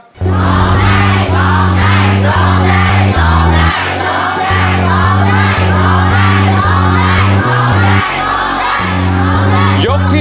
สดครับ